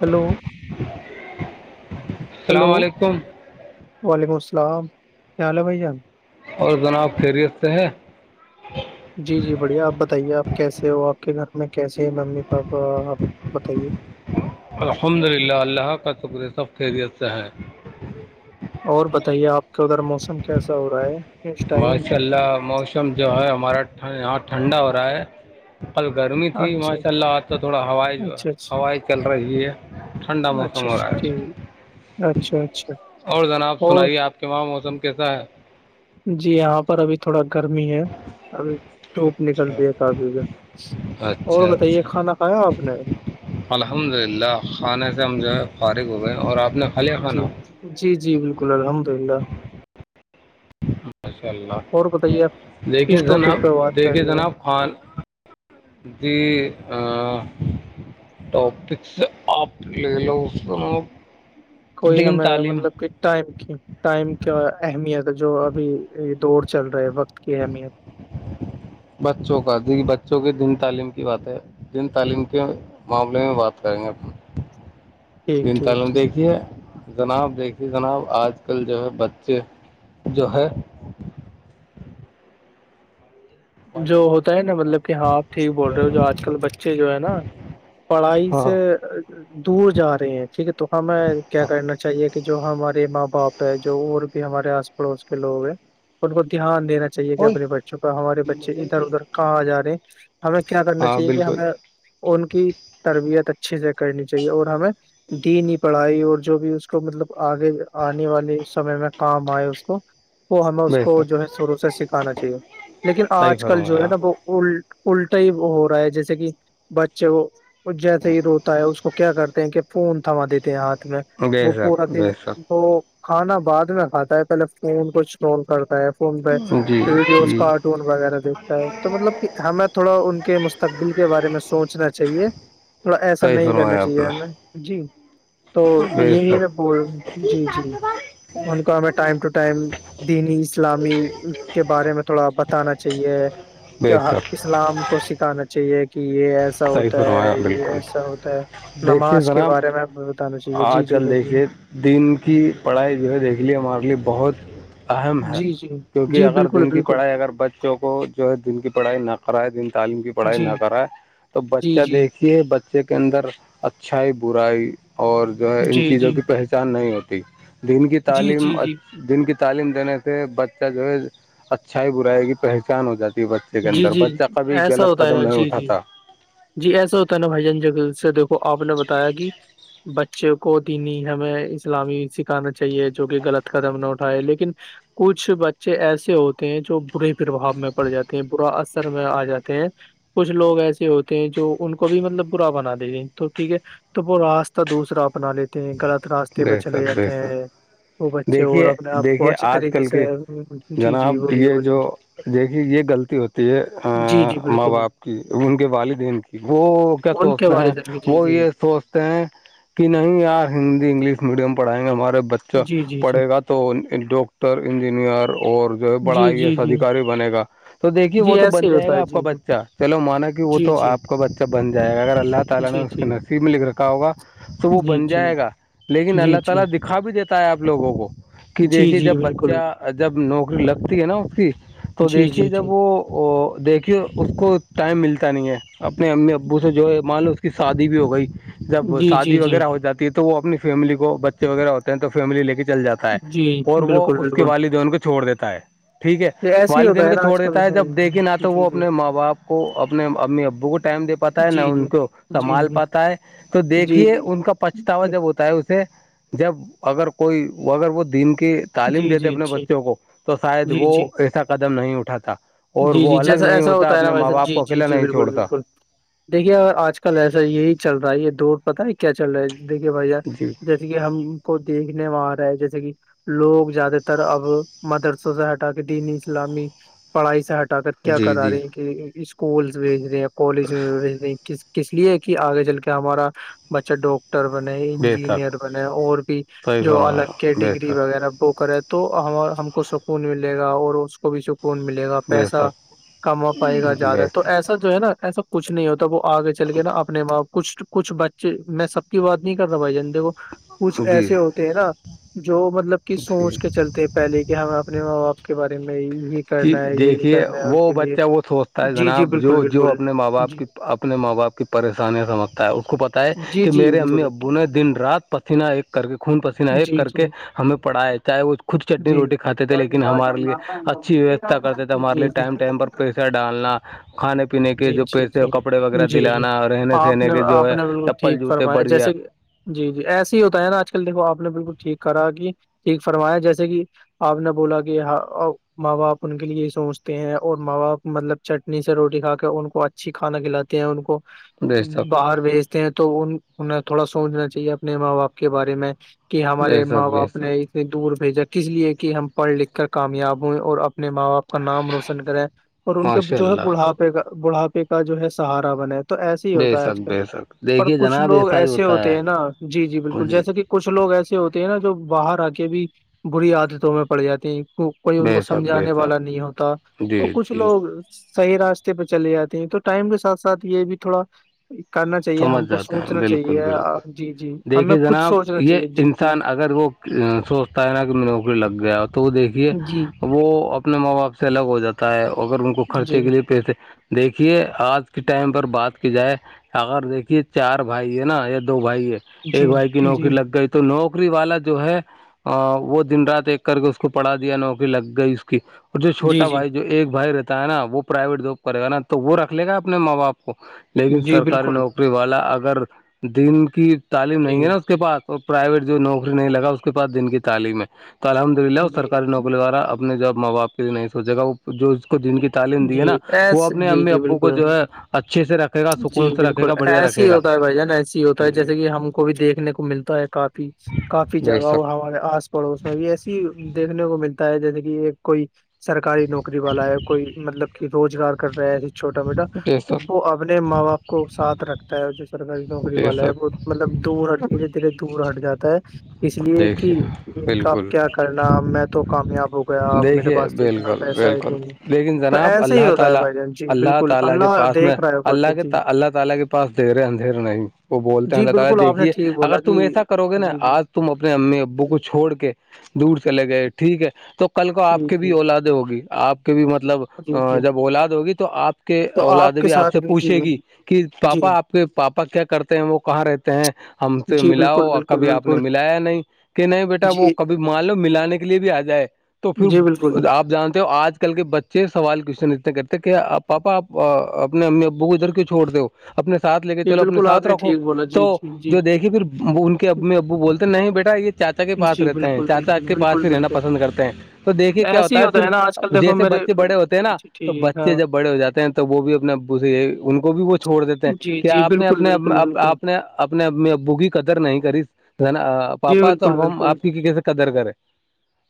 hello السلام hello علیکم وعلیکم السلام اور جناب خیریت سے ہے جی جی بڑھیا آپ بتائیے آپ کیسے ہو آپ کے گھر میں کیسے ہیں ممی پاپا آپ بتائیے الحمد للہ اللہ کا شکر سب خیریت سے ہے اور بتائیے آپ کے ادھر موسم کیسا ہو رہا ہے اس ٹائم ماشاء اللہ موسم جو ہے ہمارا یہاں ٹھنڈا ہو رہا ہے کل گرمی تھی اچھا ماشاء اللہ آج تو تھوڑا ہوائی اچھا اچھا اچھا ہوائ چل رہی ہے ٹنڈا موسم ہو رہائے ہاں اور جناب سنائیے آپ کے وہاں موسم کیسا ہے جی یہاں پر ابھی تھوڑا گرمی ہے ابھی دھوپ نکل رہی ہے کافی اھر اور اچھا بتائیے اچھا کھانا کھایا آپ نے الحمد للہ خانے سے ہم جو ہے فارغ ہو گئے اور آپ نے کھا لیا جی کھانا جی جی بالکل الحمد للہ ماشاء اللہ اور بتائیے آپ دیکھیے کس جناب ٹاپک پہ بات دیکھے کرنی ہے جناب خان جی ٹاپکس آپ لے لو اس کوئی دین ہمیں تعلیم مطلب کہ ٹائم کی ٹائم کا اہمیت جو ابھی دوور چل رہا ہے وقت کی اہمیت بچوں کا دیکھیے بچوں کے دن تعلیم کی بات ہے جن تعلیم کے معاملے میں بات کریں گے ٹھیک تین ٹھیک تلم ٹھیک دیکھیے جناب دیکھیے جناب آج کل جو ہے بچے جو ہے جو ہوتا ہے نا مطلب کہ ہاں آپ ٹھیک بول رہے ہو جو آج کل بچے جو ہے نا پڑھائی ہاں سے دور جا رہے ہیں ٹھیک ہے تو ہمیں کیا کرنا چاہیے کہ جو ہمارے ماں باپ جو اور بھی ہمارے آس پڑوس کے لوگ ہیں ان کو دھیان دینا چاہیے کہ اپنے بچوں کا ہمارے بچے ادھر ادھر کہاں جا رہے ہیں ہمیں کیا کرنا ہاں چاہیے کہ بالکل ہمیں ان کی تربیت اچھے سے کرنی چاہیے اور ہمیں دیینی پڑھائی اور جو بھی اس تو مطلب آگے آنے والے سمے میں کام آئے اس کو وہ ہمیں اس بے کو جو شک ہے شروع سے سکھانا چاہیے لیکن صحیح آج کل جو ہے فرمایا نا ب الٹا ہی ہو رہا ہے جیسے کہ بچے کو وہ جیسے ہی روتا ہے اس کو کیا کرتے ہیں کہ فون تھما دیتے ہیں ہاتھ میں بے وہ پورا شک دن بے شک وہ کھانا بعد میں کھاتا ہے پہلے فون کو چون کرتا ہے فون پہ جی ویڈیوز جی کارٹون وغیرہ بھی تو مطلب کہ ہمیں تھوڑا ان کے مستقبل کے بارے میں سوچنا چاہیے تھوڑا ایسا صحیح نہیں کرنا فرمایا آپ چاہیے ہمیں نے جی تو بے یہی میں شک بول جی جی ان کا میں ٹائم ٹو ٹائم دینی اسلامی کے بارے میں تھوڑا بتانا چاہیے کہ بے شک اسلام کو سکھانا چاہیے کہ یہ ایسا صحیح ہوتا فرمایا ہے یہ بالکل ایسا ہوتا ہے دیکھیے نماز کے جناب بارے میں بتانا چاہیے آج جی جی کل بولیے دیکھیے دین کی پڑھائی جو ہے دیکھ لیے ہمارے لیے بہت اہم ہے جی جی کیونکہ جی اگر بالکل دن کی بالکل پڑھائی اگر بچوں کو جو ہے دن کی پڑھائی نہ کرائے دن تعلیم کی پڑھائی جی نہ کرائے تو جی بچہ جی دیکھیے بچے کے اندر اچھائی برائی اور جو ہے ان جی چیزوں جی کی پہچان نہیں ہوتی دن کی جی تعلیم جی دن کی تعلیم دینے سے بچہ جو ہے اچھائی برائی گی پہچان ہو جاتی ہے بچہ لیکن جی جی در جی بچہ کبھی ایسا غلط ہوتا ہے قدم نا نہیں جی جی اٹھاتا جی ایسا ہوتا ہے نا بھائی جان ج سے دیکھو آپ نے بتایا کہ بچے کو دینی ہمیں اسلامی سکھانا چاہیے جو کہ غلط قدم نہ اٹھائے لیکن کچھ بچے ایسے ہوتے ہیں جو برے پرباؤ میں پڑ جاتے برا اثر میں آ جاتے ہیں کچھ لوگ ایسے ہوتے ہیں جو ان کو بھی مطلب برا بنا دیتے ہیں تو ٹھیک ہے تو وہ راستہ دوسرا اپنا لیتے ہیں غلط راستے پہ بے چلے شک بے جاتے شک ہیں وہ بچے اور دیکھیے اپنے آپ کو دیکھیے اچھے آج طریقے کل سے کے جی جی جناب بولیے یہ بولیے جو دیکھیے یہ غلطی ہوتی ہے جی جی ماں بالکل باپ کی ان کے والدین کی وہ کیا ان کے سوچتے بارے ہیں میں جی وہ جی یہ سوچتے ہیں کہ نہیں یار ہندی انگلش میڈیم پڑھائیں گے ہمارے بچے جی اچھا جی جی پڑھے گا تو ڈاکٹر انجینئر اور جو ہے بڑا جی آئی ای جی ایس جی ادھیکاری بنے گا تو دیکھیے جی وہ تو ایسے بن ہی جائے ہوتا گا ہے آپ کا جی جی بچہ چلو مانا کہ وہ تو جی آپ اچھا بن جائے گا اگر اللہ جی تعالی نے جی اس کو جی نصیب میں لکھ رکھا ہوگا تو وہ جی بن جی جائے گا لیکن اللہ جی جی تعالی دکھا بھی دیتا ہے اپ لوگوں کو کہ جی دیکھیے جی جب بالکل بچہ جب نوکری لگتی ہے نا اس کی تو جی دیکھیے جی جی جب وہ وہ دیکھیے اس کو ٹائم ملتا نہیں ہے اپنے امی ابو سے جو ہے مانو اس شادی بھی ہو گئی جب جی جی شادی جی وغیرہ ہو جاتی ہے تو وہ اپنی فیملی کو بچے وغیرہ ہوتے تویملیے کے چل جاتا جی اور وہ بالکل اس کے بالکل والد ان کو چھوڑ دیتا ہے ٹھیک ہے یہ ایسے ہی ہوتا والدین ہے کو نا چھوڑ آج کل دیتا ہے ہ جب دیکھے نہا تو وہ جی جی اپنے ماں باپ کو اپنے امی ابو کو ٹائم دے پاتا ہے نہ جی ان جی کو سنبھال جی پاتا ہے تو جی جی دیکھیے جی ان کا پچھتاوا جب ہوتا ہے اسے جب اگر کوئی اگر وہ دن کی تعلیم جی دیتے جی جی اپنے بچوں کو تو شاید جی وہ جی ایسا قدم نہیں اٹھاتا اور جی جی وہ الگ جیسا نہیں ایسا ہوتا ہے نا اپنے ماں ویسا باپ جی کو جی اکیلا جی نہیں بالکل چھوڑتا بالکل دیکھیے ا آج کل ایسا یہی چل رہا ہے یہ دوور پتا ہے کیا چل رہا ہے دیکھیے بھائی جی ج ج کہ ہم کو دیکھنے میں آ رہا ہے جیسے کہ لوگ زیادہ تر اب مدرسوں سے ہٹا کے دینی اسلامی پڑھائی سے ہٹا کر کیا جی کرا جی رہے ہیں کہ اسکولس بھیج رہے ہیں یا کالج میں بھیج رہے ہیں کس اس لیے کہ آگے چل کے ہمارا بچہ ڈوک ٹر بنے بے شک انجینئر بنے اور بھی صحیح جو الگ کے فرمایا بے ڈگری شک وغہ وہ کرے تو ہم کو سکون ملے گا اور کو بھی سکون ملے گا بے پیسا کما پائے گا شک زیادہ بے تو ایسا جو ہے نا ایسا کچھ نہیں ہوتا وہ آگے چل کے نا شک اپنے باپ کچھ کچھ بچے میں سب کی بات نہیں کر رہتا بھائی جندے کو کچھ جی ایسے ہوتے ہیں نا جو مطلب کہ جی سوچ کے چلتے ہیں پہلے کہ ہمیں اپنے ماں باپ کے بارے میں یہ کہ کرنا ہے یہ دیکھیے کرنا ہے ان وہ کے لیے بچہ وہ سوچتا ہے جی جی جناب بالکل جو جو بالکل اپنے ماں باپ جی کی اپنے ماں باپ کی پریشانیاں سمجھتا ہے اس کو پت ہے جی کہ جی میرے امی بالکل ابو نے دن رات پسیینہ ایک کر کے خون پسینہ ایک جی کر کے جی ہمیں پڑا ہے چاہے وہ خود چٹنی جی روٹی کاتے تھے لیکن ہمارے لیے اچھی ویوستھ کرتے تھے ہمارے جی ٹائم ٹائم پر جی پیسا ڈالنا کھانے پینے کے جی جو جی پیسے کپڑے جی وغیرہ جی جی دلانا اور رہنے آپ سہنے نے کے جو آپ ہے نے بالکل چپل ٹھیک جوتے فرمایا بڑھ گیا جیسے کہ جی جی ایسے ہی ہوتا ہے نا آج کل دیکھو آپ نے بالکل ٹھیک کرا کہ ٹھیک فرمایا جیسے کہ آپ نے بولا کہ ماں باپ ان کے لیے سوچتے ہیں اور ماں باپ مطلب چٹنی سے روٹی کھاتے ان کو اچھی کھانا کلاتے ہیں ان کو بے شک باہر بھیجتے ہیں تو ان انہیں تھوڑا سوچنا چاہیے اپنے ماں باپ کے بارے میں کہ بے ہمارے ماں شک بے باپ شک نے دور بھیجا کس لیے کہ ہم پڑھ لکھ کر کامیاب ہوئے اور اپنے ماں باپ کا نام روشن کرے اور ان کے ماشاء جو ہے اللہ بڑھاپے کا بڑھاپے کا جو ہے سہارا بنے تو ایسے ہی بے ہوتا ہے شک آج کل بے شک پر دیکھیے کچھ جناب لوگ ایسا ہی ایسے ہوتا ہوتے ہیں نا جی جی بالکل جیسا کہ کچھ لوگ ایسے ہوتے ہیں نا جو باہر آ کے بھی بری عادتوں میں پڑ جاتے ہیں کوئی ان بے کو شک بے سمجھانے والا شک نہیں ہوتا جی تو کچھ جی لوگ صحیح راستے پہ چلے جاتے ہیں تو ٹائم کے ساتھ ساتھ یہ بھی تھوڑا کرنا چاہیے سمجھ ہم کو جاتے ہیں سوچنا بالکل چاہیے بالکل جی جی ہمیں دیکھیے خود جناب سوچنا یہ چاہیے جی جی انسان اگر وہ سوچتا ہے نا کہ نوکری لگ گیا تو وہ دیکھیے جی وہ اپنے ماں باپ سے الگ ہو جاتا ہے اگر ان کو جی خرچے کے لیے پیسے دیکھیے آج کے ٹائم پر بات کی جائے اگر دیکھیے چار بھائی ہے نا یا دو بھائی ہے ایک جی بھائی کی جی نوکری لگ گئی تو تو نوکری والا جو ہے وہ دن رات ایک کر کے اس کو پڑھا دیا نوکری لگ گئی اس کی اور جو جی چھوٹا جی بھائی جو ایک بھائی رہتا ہے نا وہ پرائیویٹ جاب کرے گا نا تو وہ رکھ لے گا اپنے ماں باپ کو لیکن جی سر بالکل ڈری والا اگر دن کی تعلیم جی نہیں ہے نا اس کے پاس پرائیویٹ جو نوکری نہیں لگا اس کے پاس دن کی تعلیم ہے تو الحمد للہ اور جی سرکاری نوکری دوارا ا نے جب ماں باپ کے لیے نہیں سوچے گ وہ جو اس کو دن کی تعلیم دی ہے جی نا وہ ایس اپنے جی امی جی ابو کو بالکل جو ہے اچھے سے رکھے گا جی سکون سے رکھے بالکل گا بڑھیا ایسے رکھے ہی گا ہوتا ہے بھائی جان ایسسی ہی ہوتا ہے جی جیسے کہ ہم کو بھی دیکھنے کو ملتا ہے کافی کافی بے جگہوں شک ہمارے آس پڑوس میں بھی ایسی دیکھنے کو ملتا ہے جیسے کہ کوئی سرکاری نوکری والا ہے کوئی مطلب کہ روزگار کر رہے ہیںے چھوٹا موٹا بے تو شک وہ اپنے ماں باپ کو ساتھ رکھ جو سرکاری نوکری بے والا ہے شک وہ مطلب دور ہ دھیرے دھیرے دور ہٹ جاتا ہے اس لیے دیکھیے کہ ان کا بالکل کیا کرنا میں تو کامیاب ہو گیا میرے دیکھیے پاس تو اتنا بالکل پیسہ ہی بالکل نہیں لیکن تو جناب ایسے ہی اللہ ہوتا ہے تعالی بھائی جان جی بالکل اللہ کے گھر میں دیکھ رہا ہے اوپر سے جی دیر ہے اندھیر نہیں جی بالکل آپ نے ٹھیک بولا کہ جی جی تم اپنے امی ابو کو چھوڑ کے دور چلے گئے ٹھیک ہے تو کل کو آپ جی کے بھی جی اولاد ہوگی آپ کے بھی مطلب جی جی جب اولاد ہوگی تو آپ کی کہ تو اولاد کے بھی آپ ساتھ سے جی پوچھے گی کہ جی پاپا آپ کے پاپا کیا کرتے ہیں وہ کہاں رہتے ہیں ہم سے جی بالکل ملاؤ بالکل کبھی آپ نے بالکل ملایا نہیں کہ نہیں بیٹا وہ جی کبھی مان لو ملاانے کے لیے بھی آ جائے تو جی بالکل پھر آپ جانتے ہو آج کل کے بچے چ سوال کوشچن اتنے کرتے کہ پاپا آپ اپنے امی ابو کو ادھر کیوں چھوڑ دو ہو اپنے ساتھ لے کے جی چلو اپنے بالکل آپ ساتھ نے رکھو ٹھیک بولا تو جی جی جی جو دیکھیے پھر ان کے ا ا وہ بولتے نہیں بیٹا یہ چاچا کے پاس جی رہتے ہیں بالکل چاچا بالکل کے پاس بالکل ہی رہنا بالکل پسند کرتے ہیں تو دیکھیے کیا ایسے ہوتا ہی ہے پھر نا آج کل دیکھو جیسے میرے بچے بڑے ہوتے ہیں نا اچھا تو ٹھیک ہاں بچے جب بڑے ہو جاتے ہیں تو وہ بھی اپنا ان کو بھی وہ چھوڑ دیتے ہیں جی کہ جی آپ نے بالکل اپنے بالکل بالکل آپ نے اپنے بوگی قدر نہیں کرا جی پاپا تو بالکل ہم بالکل آپ کی کی سے قدر کرے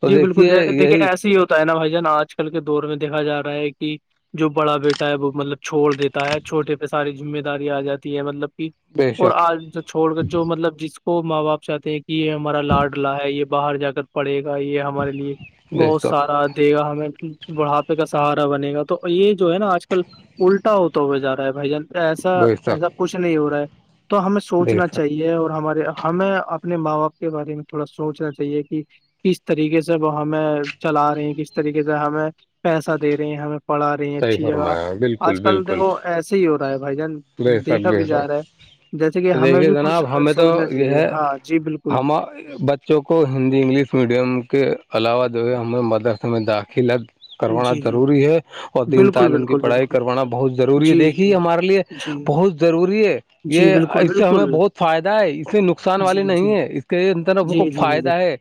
تو دیکھیے یہی تو ہے نا بھائی جان آج کل کے دور میں دیکا رہا ہے کہ جو بڑا بیٹا ہے وہ مطلب چھوڑ دیتا ہے چھوٹے پہ ساری ذمہ داری آ جاتی ہے مطلب کہ بے اور شک آج چھوڑ کر جو مطلب جس کو ماں باپ چاہتے ہیں کہ یہ ہمارا لاڈلا ہے یہ باہر جا کر پڑے گا یہ ہمارے لیے بے بہت شک سارا دے گا ہمیں بڑھاپے کا سہارا بنے گا تو یہ جو ہے نا آج کل الٹا ہوتا ہوئے جا رہا ہے بھائی جان ایسا بے شک ایسا کچھ نہیں ہو رہا ہے تو ہمیں بے سوچنا شک چاہیے اور ہمارے ہمیں اپنے ماں باپ کے بارے میں تھوڑا سوچنا چاہیے کہ کس طریقے سے وہ ہمیں چلا رہے ہیں کس طریقے سے ہمیں پیسہ دے رہے ہیں ہمیں پڑھا رہی ہیں صحیح اچھی جگہ فرمایا بالکل آج کل بالکل دیکھو ایسے ہی ہو رہا ہے بھائی جان بے شک دیکھا بے بھی جا شک رہا ہے جیسے کہ تو ہمیں دیکھیے بھی کچھ جناب ہمیں تو سوچنا یہ چاہیے ہاں جی [unintelligible] بالکل ہم ب جو کو ہندی انگلش میڈیم کے علاوہ جو ہے ہم مدرسے میں داخل کروانا جی جی ضروری ہے اور دین بالکل تعلیم کی بالکل پڑھائی بالکل کروانا بہت ضروری ہے جی جی دیکھیے ہمارے لیے جی بہت ضروری ہے جی یہ بالکل اس سے ہمیں بالکل بہت فائدہ ہے اس سے نقصان والی جی جی نہیں ہے اس کے اندر ہم کو جی جی جی فائدہ ہے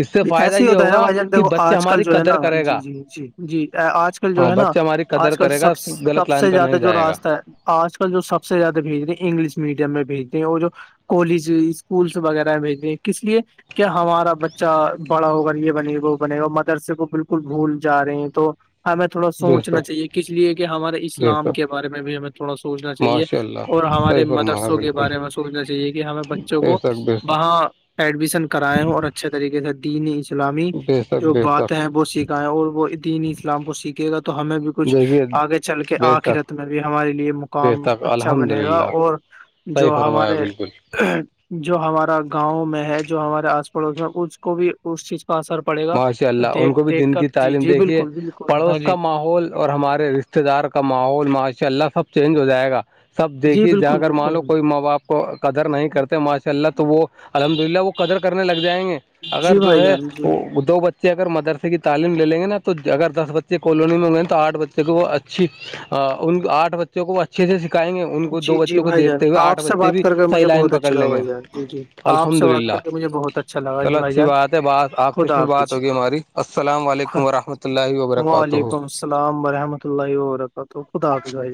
اس سے جی، فائدہ ایسے ہی یہ ہوتا ہے نا ہوگا بھائی جان کہ دیکھو بچہ آج کل ہماری جو ہے نا قدر کرے جی گا جی جی جی آج کل جو ہاں ہے نا بچہ ہماری قدر آج کل کرے گا سب غلط سب لائن سے پہ زیادہ نہیں جو جائے گا راستتا ہے آج کل جو سب سے زیادہ بھیج رہ ہیں انگلش میڈیم میں بھیج رہ ہیں وہ جو کالج اسکولس وغیرہ بھیج د کس لیے کہ ہمارا بچہ بڑا ہوگا یہ بنے گا وہ بنے گا مدرسے کو بالکل بھول جا رہے ہیں تو ہمیں تھوڑا بے سوچنا شک چاہیے کس لیے کہ ہمارے بے اسلام شک کے بارے میں بھی ہمیں تھوڑا سوچنا چے چاہیے ماشاء اللہ اور ہمارے صحیح فرمایا مدرسوں کے بالکل بارے میں سوچنا چاہیے کہ ہمیں بچوں بے کو شک بے شک وہاں ایڈمیشن کرائے ہ اور اچھے طریقے سے دین اسلامی بے شک جو بے بات شک ہیں وہ سیککھائیں اور وہ دین اسلام کو سیکھے گا تو ہمیں بھی کچھ دیکھیے آگے چل کے بے شک آخرت میں بھی ہمارے لیے بے مقام شک اچھا الحمد بنے گا للہ اور صحیح جو فرمایا ہمارے بالکل جو ہمارا گاؤں میں ہے جو ہمارے آس پڑوس میں اس کو بھی اس چیز کا اثر پڑے گا ماشاء اللہ ان دیکھ کو بھی دیکھ دن کی کر جی تعلیم جی دیکھیے بالکل بالکل ہاں پڑوس جی کا ماحول اور ہمارے رشتے دار کا ماحول ماشاء اللہ سب چینج ہو جائے گا سب جی دیکھیے جہاں بالکل اگر بالکل مانو کوئی ماں باپ کو قدر نہیں کرتے ماشاء اللہ تو وہ الحمد للہ وہ قدر کرنے لگ جائیں گے اگر جی جو بھائی ہے جان جی دو بچے اگر مرے کی تعلیم لیں گے نا تو اگر دس بچے کالونی میں ہو گئے ن تو آٹھ بچے کوھ اچ ان آھ بچوں کو اچھے سے سکھائیں گے ان کو دو جی جی بچوں کو بھائی جان دیکھتے ہوئے آھ آپ سے بچے بات بھی کر کے صحیح مجھے لائن بہت پکڑ اچھا لگا لیں گے بھائی جان جی جی آپ الحمد سے بات للہ کر کے مجھے بہت اچھا لگا جی چلو بھائی اچھی جان بات ہے بات آپ تو خدا پھر بات حافظ ہوگی ہماری السلام علیکم خ- ورحمۃ اللہ و برکاتہ وعلیکم السلام ورحمۃ اللہ و برکاتہ خدا حافظائی